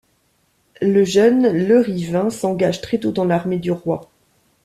Le jeune Lerivint s’engage très tôt dans l’armée du Roi.